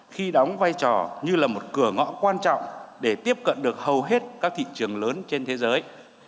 khi đóng vai trò như là một cửa ngõ quan trọng để tiếp cận được hầu hết các thị trường lớn trên thế giới